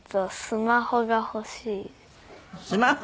スマホが欲しい？